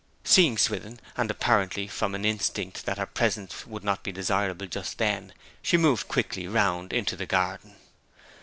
Seeing Swithin, and apparently from an instinct that her presence would not be desirable just then, she moved quickly round into the garden.